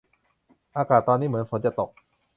อากาศตอนนี้เหมือนฝนจะตก